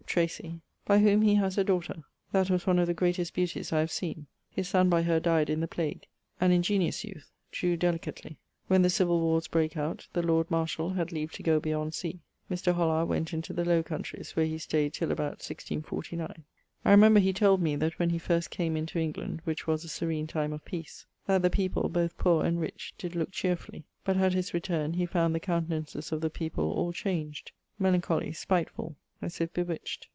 Tracy, by whom he haz a daughter, that was one of the greatest beauties I have seen; his son by her dyed in the plague, an ingeniose youth, drew delicately. When the civil warres brake out, the Lord Marshall had leave to goe beyond sea[CXXXI.]. Mr. Hollar went into the Lowe Countries, where he stayed till about 1649. [CXXXI.] Italie. I remember he told me that when he first came into England, (which was a serene time of peace) that the people, both poore and rich, did looke cheerfully, but at his returne, he found the countenances of the people all changed, melancholy, spightfull, as if bewitched.